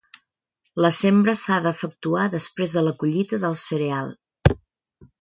La sembra s'ha d'efectuar després de la collita del cereal.